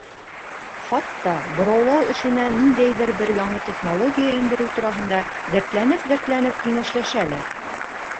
Хатта быраулау эшенә ниндәйҙер бер яңы технология индереү тураһында дәртләнеп-дәртләнеп кәңәшләшәләр.